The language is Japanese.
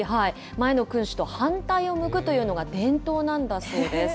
前の君主と反対を向くというのが伝統なんだそうです。